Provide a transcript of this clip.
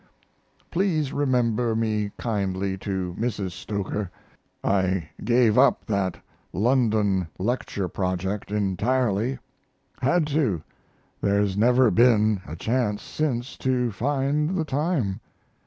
Please remember me kindly to Mrs. Stoker. I gave up that London lecture project entirely. Had to there's never been a chance since to find the time.